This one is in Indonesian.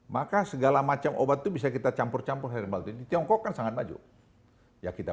maka segala macam obat itu bisa kita campur campur herbalin di tiongkok kan sangat maju ya kita